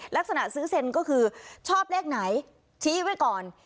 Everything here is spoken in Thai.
ซื้อเซ็นก็คือชอบเลขไหนชี้ไว้ก่อน